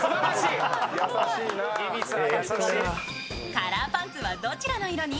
カラーパンツはどちらの色に？